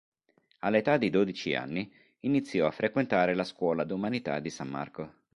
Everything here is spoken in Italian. All'età di dodici anni iniziò a frequentare la Scuola d'umanità di San Marco.